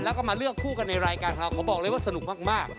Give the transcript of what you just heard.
แล้วก็มาเลือกคู่กันในรายการของเราขอบอกเลยว่าสนุกมาก